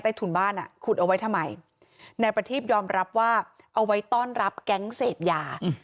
ถุนบ้านอ่ะขุดเอาไว้ทำไมนายประทีพยอมรับว่าเอาไว้ต้อนรับแก๊งเสพยา